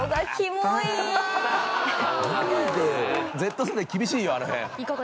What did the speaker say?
Ｚ世代厳しいよあの辺。